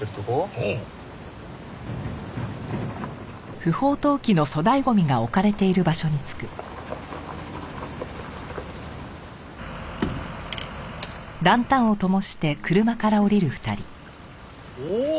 うん。おっ！